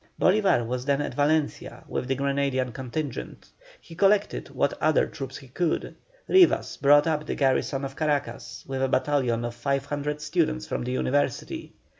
Bolívar was then at Valencia with the Granadian contingent. He collected what other troops he could; Rivas brought up the garrison of Caracas, with a battalion of 500 students from the University.